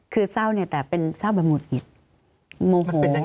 คือเศร้าแต่เป็นเศร้าแบบหงุดหงิดโมโห